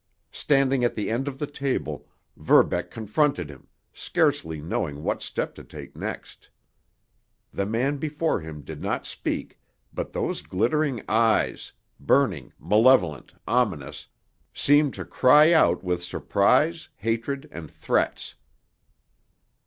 Standing at the end of the table, Verbeck confronted him, scarcely knowing what step to take next. The man before him did not speak, but those glittering eyes—burning, malevolent, ominous—seemed to cry out with surprise, hatred, and threats.